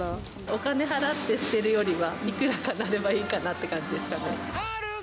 お金払って捨てるよりは、いくらかになればいいかなって感じですかね。